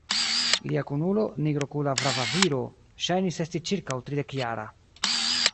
Lia kunulo, nigrokula brava viro, ŝajnis esti ĉirkaŭ tridekjara.